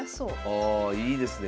ああいいですね。